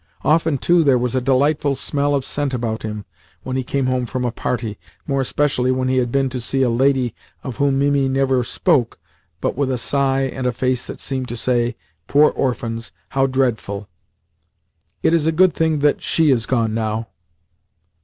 Often, too, there was a delightful smell of scent about him when he came home from a party more especially when he had been to see a lady of whom Mimi never spoke but with a sigh and a face that seemed to say: "Poor orphans! How dreadful! It is a good thing that SHE is gone now!"